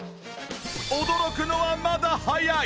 驚くのはまだ早い！